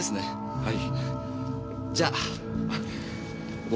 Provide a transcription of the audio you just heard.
はい。